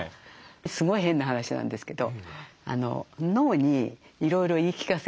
すごい変な話なんですけど脳にいろいろ言い聞かせるんですね